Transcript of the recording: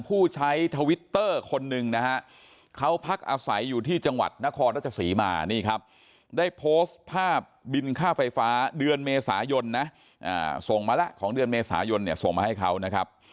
ผู้ใช้ทวิตเตอร์คนหนึ่งนะฮะเขาพักอาศัยอยู่ที่จังหวัดนครราชศรีมานี่ครับได้โพสต์ภาพบินค่าไฟฟ้าเดือนเมษายนนะส่งมาแล้วของเดือนเมษายนเนี่ยส่งมาให้เขานะครับ